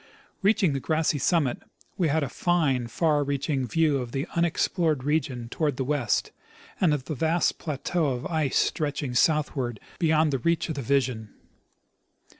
Reaching the grassy summit, we had a fine, far reaching view of the unexplored region toward the west, and of the vast plateau of ice stretching southward beyond the reach of the vision.